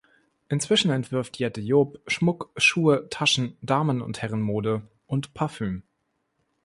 Inzwischen entwirft Jette Joop Schmuck, Schuhe, Taschen, Damen- und Herren-Mode und Parfum.